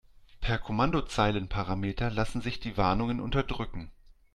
Per Kommandozeilenparameter lassen sich die Warnungen unterdrücken.